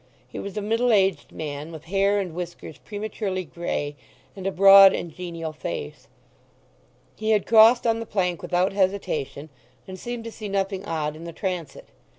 He was a middle aged man, with hair and whiskers prematurely grey, and a broad and genial face. He had crossed on the plank without hesitation, and seemed to see nothing odd in the transit.